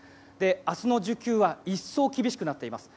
明日の需給は一層、厳しくなっています。